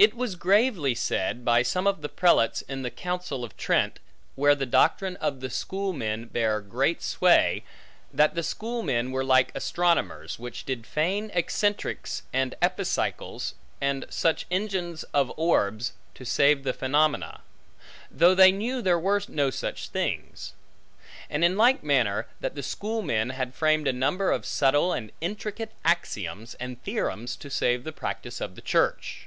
It was gravely said by some of the prelates in the Council of Trent, where the doctrine of the Schoolmen bare great sway, that the Schoolmen were like astronomers, which did feign eccentrics and epicycles, and such engines of orbs, to save the phenomena; though they knew there were no such things; and in like manner, that the Schoolmen had framed a number of subtle and intricate axioms, and theorems, to save the practice of the church.